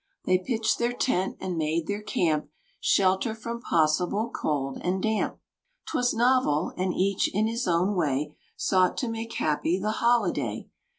They pitched their tent and made their camp, Shelter from possible cold and damp. 'Twas novel, and each in his own way Sought to make happy the holiday.